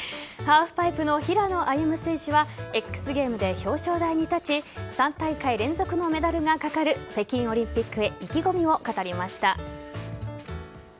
ハーフパイプの平野歩夢選手はＸゲームで表彰台に立ち３大会連続のメダルがかかる北京オリンピックへ意気込みを語りました。